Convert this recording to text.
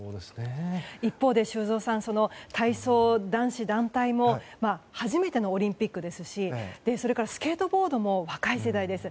一方で修造さん体操男子団体も初めてのオリンピックですしそれからスケートボードも若い世代です。